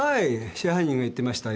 支配人が言ってましたよ。